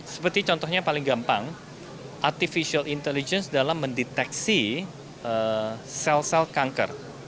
seperti contohnya paling gampang artificial intelligence dalam mendeteksi sel sel kanker